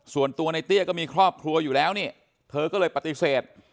ส่วนตัวในเตี้ยก็มีครอบครัวอยู่แล้วนี่เธอก็เลยปฏิเสธ